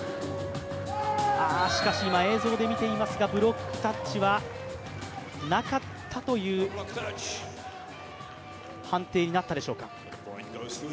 しかし今、映像で見ていますがブロックタッチはなかったという判定になったでしょうか。